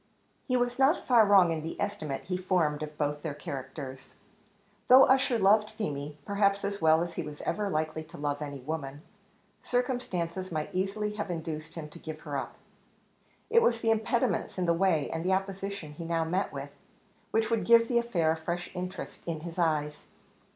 He was not far wrong in the estimate he formed of both their characters. Though Ussher loved Feemy, perhaps as well as he was ever likely to love any woman, circumstances might easily have induced him to give her up. It was the impediments in the way, and the opposition he now met with, which would give the affair a fresh interest in his eyes.